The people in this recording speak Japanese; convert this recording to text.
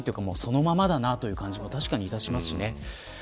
そっくりというか、そのままだなという感じも確かにしますね。